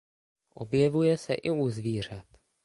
Objevuje se i u zvířat.